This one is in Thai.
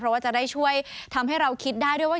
เพราะว่าจะได้ช่วยทำให้เราคิดได้ด้วยว่า